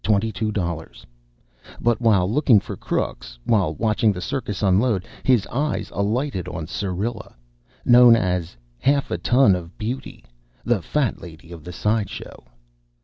00"; but, while looking for crooks while watching the circus unload, his eyes alighted on Syrilla, known as "Half a Ton of Beauty," the Fat Lady of the Side Show.